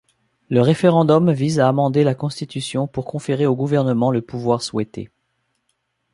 Le référendum vise à amender la Constitution pour conférer au gouvernement le pouvoir souhaité.